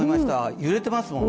揺れてますもんね。